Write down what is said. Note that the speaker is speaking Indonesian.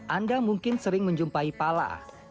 anda mungkin sering menjumpai pala